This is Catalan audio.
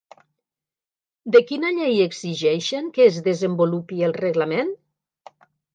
De quina llei exigeixen que es desenvolupi el reglament?